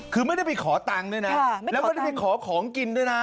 คือไม่ได้ไปขอตังค์ด้วยนะแล้วไม่ได้ไปขอของกินด้วยนะ